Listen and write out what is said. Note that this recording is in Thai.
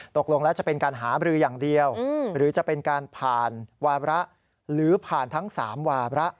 ตกลงแล้วจะเป็นการหาบรืออย่างเดียวหรือจะเป็นการผ่านวาระหรือผ่านทั้ง๓วาระ